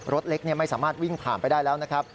รถเล็กไม่สามารถวิ่งผ่านไปได้แล้วนะครับ